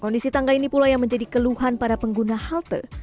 kondisi tangga ini pula yang menjadi keluhan para pengguna halte